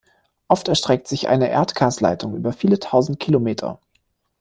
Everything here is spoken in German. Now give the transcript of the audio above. Oft erstreckt sich eine Erdgasleitung über viele Tausend Kilometer.